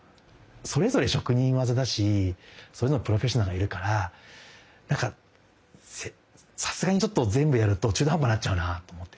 それぞれ職人技だしそういうのはプロフェッショナルがいるからなんかさすがにちょっと全部やると中途半端になっちゃうなと思ってですね。